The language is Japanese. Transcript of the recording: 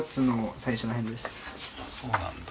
そうなんだ